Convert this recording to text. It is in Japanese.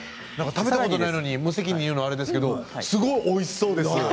食べたことないのに無責任に言うのはあれですけれどもすごいおいしそうです。